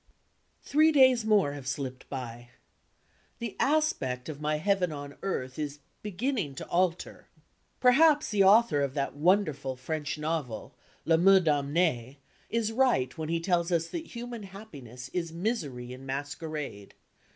Three days more have slipped by. The aspect of my heaven on earth is beginning to alter. Perhaps the author of that wonderful French novel, "L'Ame Damne'e," is right when he tells us that human happiness is misery in masquerade.